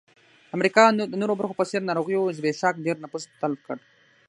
د امریکا د نورو برخو په څېر ناروغیو او زبېښاک ډېر نفوس تلف کړ.